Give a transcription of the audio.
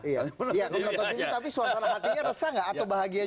tapi suara suara hatinya resah gak atau bahagia juga